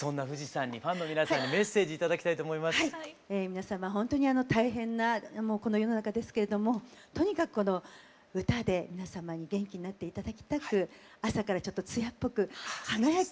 皆様ほんとに大変なこの世の中ですけれどもとにかくこの歌で皆様に元気になって頂きたく朝からちょっと艶っぽく華やかに歌わせて頂きました。